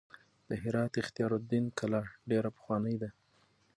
د هرات اختیار الدین کلا ډېره پخوانۍ ده.